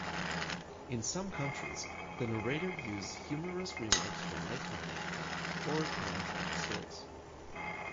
In some countries, the narrator used humorous remarks for light-hearted or non-tragic stories.